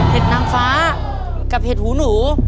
นางฟ้ากับเห็ดหูหนู